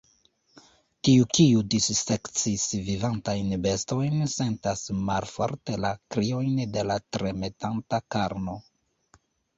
Tiu, kiu dissekcis vivantajn bestojn, sentas malforte la kriojn de la tremetanta karno.